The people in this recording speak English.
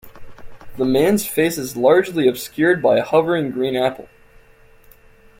The man's face is largely obscured by a hovering green apple.